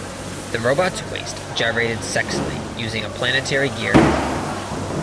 The robot's waist gyrated sexily using a planetary gear.